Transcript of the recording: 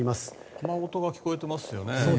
雨音が聞こえてますよね。